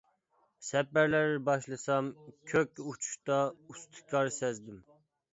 سەپەرلەر باشلىسام كۆككە ئۇچۇشتا ئۇستىكار سەزدىم.